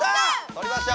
とりました。